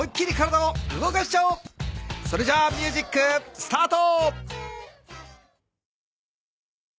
それじゃあミュージックスタート！